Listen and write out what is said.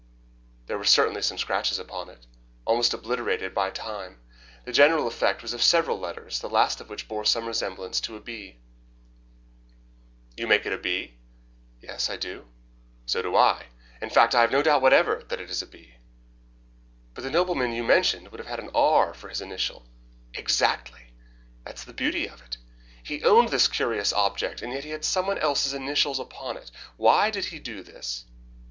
There were certainly some scratches upon it, almost obliterated by time. The general effect was of several letters, the last of which bore some resemblance to a B. "You make it a B?" "Yes, I do." "So do I. In fact, I have no doubt whatever that it is a B." "But the nobleman you mentioned would have had R for his initial." "Exactly! That's the beauty of it. He owned this curious object, and yet he had someone else's initials upon it. Why did he do this?"